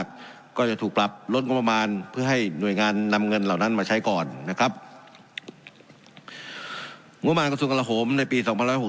ครับงุมันกสุนกระโหมในปีสองพันร้อยหก